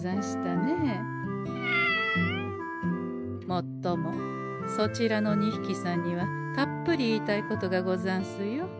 もっともそちらの２ひきさんにはたっぷり言いたいことがござんすよ。